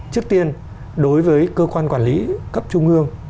trước tiên đối với cơ quan quản lý cấp trung ương